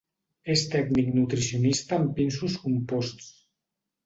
És tècnic nutricionista en pinsos composts.